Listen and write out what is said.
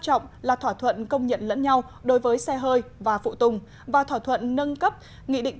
trọng là thỏa thuận công nhận lẫn nhau đối với xe hơi và phụ tùng và thỏa thuận nâng cấp nghị định